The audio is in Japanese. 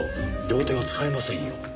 両手が使えませんよ？